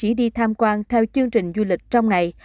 không phải đi tham quan theo chương trình du lịch trong ngày